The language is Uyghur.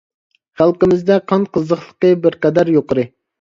خەلقىمىزدە قان قىزىقلىقى بىر قەدەر يۇقىرى.